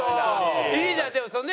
いいじゃん。